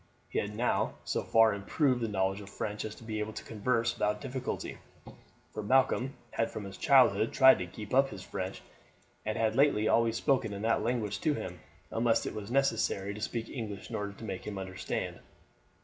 He had now so far improved the knowledge of French as to be able to converse without difficulty, for Malcolm had from his childhood tried to keep up his French, and had lately always spoken in that language to him, unless it was necessary to speak in English in order to make him understand.